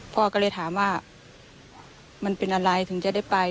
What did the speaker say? พ่อก็เลยถามว่ามันเป็นอะไรถึงจะได้ไป